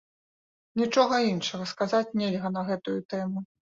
Нічога іншага сказаць нельга на гэтую тэму.